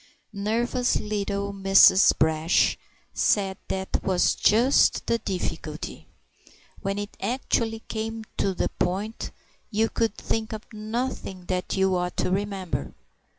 Nervous little Mrs. Brash said that was just the difficulty; when it actually came to the point you could think of nothing that you ought to remember.